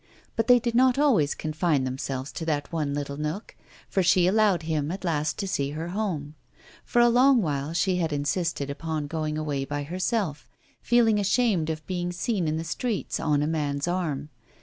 But they did not always confine themselves to that one little nook, for she allowed him at last to see her home. For a long while she had insisted upon going away by herself, feeling ashamed of being seen in the streets on a man's arm.